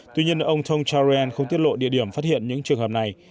tuy nhiên ông tongcharoen không tiết lộ địa điểm phát hiện những trường hợp này